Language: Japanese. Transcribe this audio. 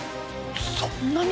そんなに？